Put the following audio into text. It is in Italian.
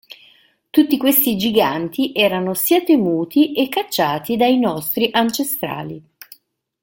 Tutti questi giganti erano sia temuti e cacciati dai nostri ancestrali.